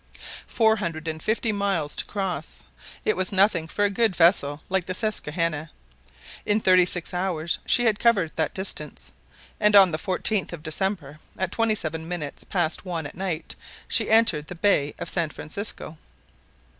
Four hundred and fifty miles to cross; it was nothing for a good vessel like the Susquehanna. In thirty six hours she had covered that distance; and on the 14th of December, at twenty seven minutes past one at night, she entered the bay of San Francisco.